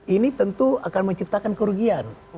ini tentu akan menciptakan kerugian